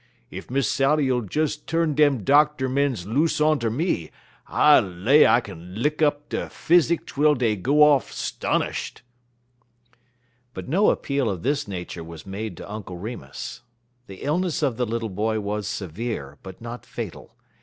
Ef Miss Sally'll des tu'n dem docter mens loose onter me, I lay I lick up der physic twel dey go off 'stonish'd." But no appeal of this nature was made to Uncle Remus. The illness of the little boy was severe, but not fatal.